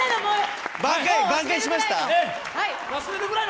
挽回しました？